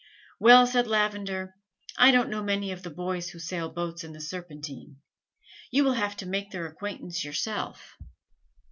"Well," said Lavender, "I don't know many of the boys who sail boats in the Serpentine: you will have to make their acquaintance yourself.